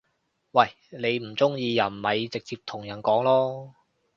喂！你唔中意人咪直接同人講囉